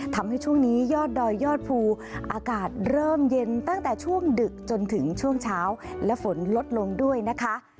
ทำให้ช่วงนี้ยอดดอยยอดภูอากาศเริ่มเย็นตั้งแต่ช่วงดึกจนถึงช่วงเช้าและฝนลดลงด้วยนะคะ